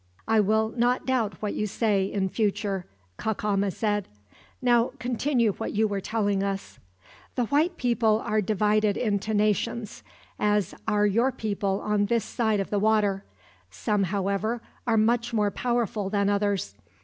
"I will not doubt what you say, in future," Cacama said. "Now, continue what you were telling us." "The white people are divided into nations, as are your people on this side of the water. Some, however, are much more powerful than others.